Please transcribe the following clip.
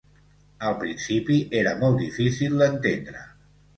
Al principi era molt difícil d'entendre